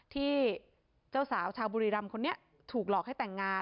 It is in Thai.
ที่เจ้าสาวชาวบุรีรำคนนี้ถูกหลอกให้แต่งงาน